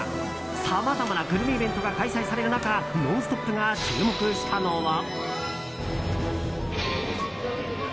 さまざまなグルメイベントが開催される中「ノンストップ！」が注目したのは。